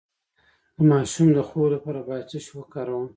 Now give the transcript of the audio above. د ماشوم د خوب لپاره باید څه شی وکاروم؟